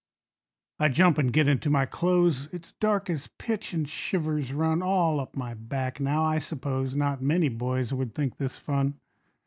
I jump an' get into my clothes; It's dark as pitch, an' shivers run All up my back. Now, I suppose Not many boys would think this fun.